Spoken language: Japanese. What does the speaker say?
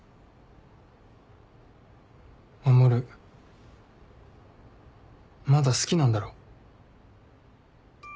守まだ好きなんだろ？